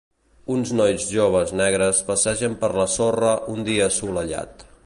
Uns nois joves negres passegen per la sorra un dia assolellat.